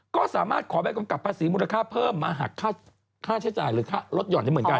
ก็สามารถขอใบกำกับภาษีมูลค่าเพิ่มมาหักค่าใช้จ่ายหรือค่าลดห่อนได้เหมือนกัน